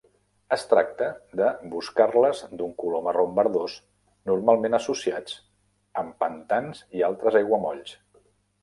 És tracta de boscarles d'un color marró verdós, normalment associats amb pantans i altres aiguamolls.